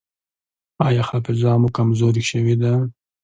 ایا حافظه مو کمزورې شوې ده؟